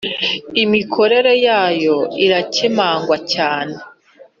imikorere yayo iracyemangwa cyane